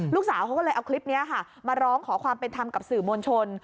ลูกสาวเขาก็เลยเอาคลิปนี้ค่ะมาร้องขอความเป็นธรรมกับสื่อมวลชน